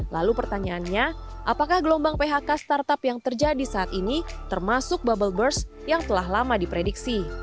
lalu pertanyaannya apakah gelombang phk startup yang terjadi saat ini termasuk bubble burst yang telah lama diprediksi